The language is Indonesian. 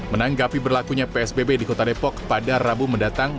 menanggapi berlakunya psbb di kota depok pada rabu mendatang